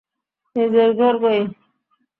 নিজের ঘর কই!